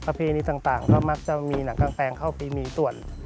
ประเภทนี้ต่างก็มักจะมีหนังกางแปงเข้าไปมีตรวจ